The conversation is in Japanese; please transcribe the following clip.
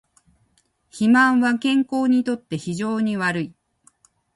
肥満は健康にとって非常に悪い